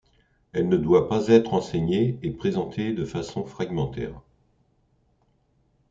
Elle ne doit pas être enseignée et présentée de façon fragmentaire.